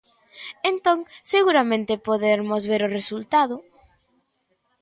Entón, seguramente podermos ver o resultado.